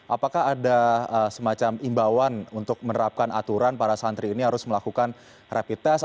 apakah ada semacam imbauan untuk menerapkan aturan para santri ini harus melakukan rapid test